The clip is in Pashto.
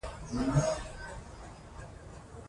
راځئ چې باادبه ټولنه ولرو.